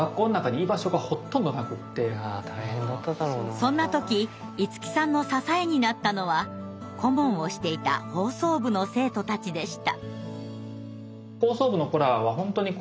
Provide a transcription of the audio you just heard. そんな時いつきさんの支えになったのは顧問をしていた放送部の生徒たちでした。